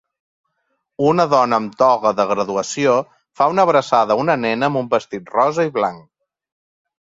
Una dona amb toga de graduació fa una abraçada a una nena amb un vestit rosa i blanc.